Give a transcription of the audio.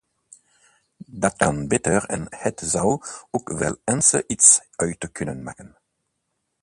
Dát kan beter, en het zou ook wel eens iets uit kunnen maken.